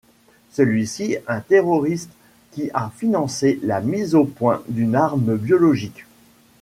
Celui-ci est un terroriste qui a financé la mise au point d'une arme biologique.